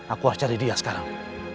aku harus cari dia sekarang